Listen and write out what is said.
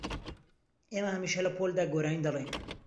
ئێمە هەمیشە لە پۆلدا گۆرانی دەڵێین.